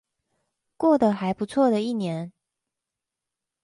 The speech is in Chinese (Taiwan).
過得還不錯的一年